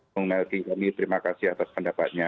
bung melki kami terima kasih atas pendapatnya